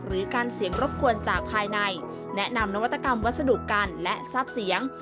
หรือการเสียงรบกวนจากภายในแนะนำนวัตกรรมวัสดุกันและทราบเสียง